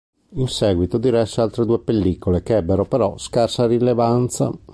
In seguito diresse altre due pellicole che ebbero però scarsa rilevanza.